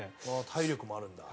体力もあるんだ。